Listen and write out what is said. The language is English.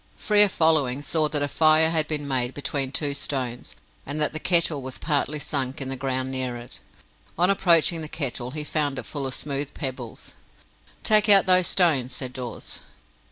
Frere, following, saw that a fire had been made between two stones, and that the kettle was partly sunk in the ground near it. On approaching the kettle, he found it full of smooth pebbles. "Take out those stones," said Dawes.